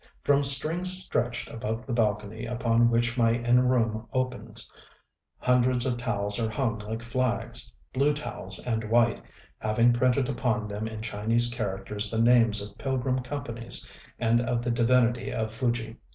From strings stretched above the balcony upon which my inn room opens, hundreds of towels are hung like flags, blue towels and white, having printed upon them in Chinese characters the names of pilgrim companies and of the divinity of Fuji.